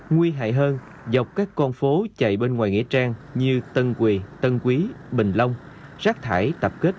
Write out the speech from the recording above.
nguy hại hơn dọc các con phố chạy bên ngoài nghĩa trang như tân quỳ tân quý bình long rác thải tập kết